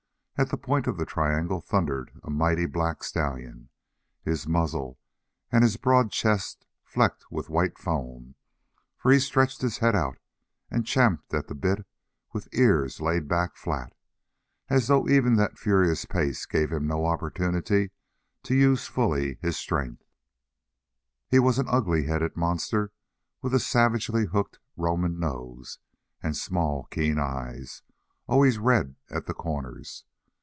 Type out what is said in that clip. At the point of the triangle thundered a mighty black stallion, his muzzle and his broad chest flecked with white foam, for he stretched his head out and champed at the bit with ears laid flat back, as though even that furious pace gave him no opportunity to use fully his strength. He was an ugly headed monster with a savagely hooked Roman nose and small, keen eyes, always red at the corners.